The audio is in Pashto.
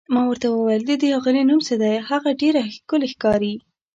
ما ورته وویل: د دې اغلې نوم څه دی، هغه ډېره ښکلې ښکاري؟